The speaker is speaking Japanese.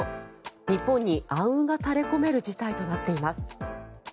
日本に暗雲が垂れ込める事態となっています。